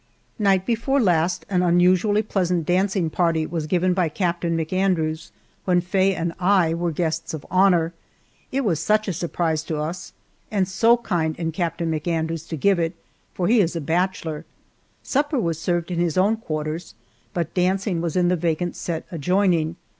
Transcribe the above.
Night before last an unusually pleasant dancing party was given by Captain McAndrews, when Faye and I were guests of honor. It was such a surprise to us, and so kind in Captain McAndrews to give it, for he is a bachelor. Supper was served in his own quarters, but dancing was in the vacant set adjoining.